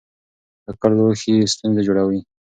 ککړ لوښي ستونزه جوړوي.